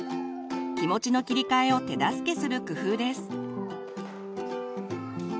気持ちの切り替えを手助けする工夫です。